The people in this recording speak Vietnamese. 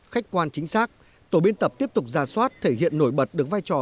khách quan chính xác tổ biên tập tiếp tục ra soát thể hiện nổi bật được vai trò